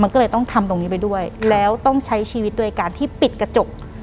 มันก็เลยต้องทำตรงนี้ไปด้วยแล้วต้องใช้ชีวิตโดยการที่ปิดกระจก